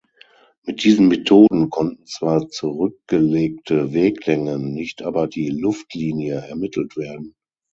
Mit diesen Methoden konnten zwar zurückgelegte Weglängen, nicht aber die „Luftlinie“ ermittelt werden.